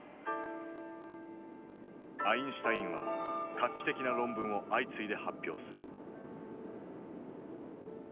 アインシュタインは画期的な論文を相次いで発表する。